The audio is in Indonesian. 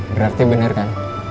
berarti bener kan